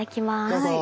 どうぞ。